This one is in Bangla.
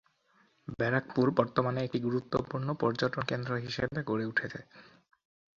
ব্যারাকপুর বর্তমানে একটি গুরুত্বপূর্ণ পর্যটন কেন্দ্র হিসেবে গড়ে উঠেছে।